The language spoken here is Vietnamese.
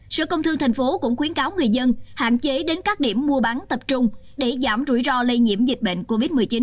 sở công thương tp hcm cũng khuyến cáo người dân hạn chế đến các điểm mua bán tập trung để giảm rủi ro lây nhiễm dịch bệnh covid một mươi chín